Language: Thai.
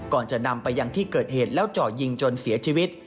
ก่อนจะนำไปยังที่เกิดเหตุแล้วเจาะยิงจนเสียชีวิต